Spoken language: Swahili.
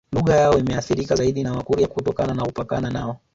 Lugha yao imeathirika zaidi na Wakurya kutokana na kupakana nao